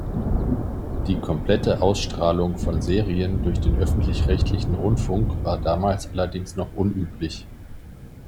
Die komplette Ausstrahlung von Serien durch den öffentlich-rechtlichen Rundfunk war damals allerdings noch unüblich.